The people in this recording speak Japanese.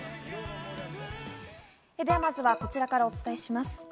では、まずはこちらからお伝えします。